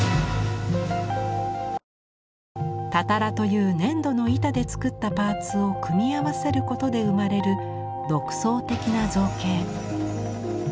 タタラという粘土の板で作ったパーツを組み合わせることで生まれる独創的な造形。